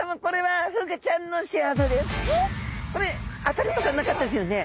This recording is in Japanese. これ当たりとかなかったですよね？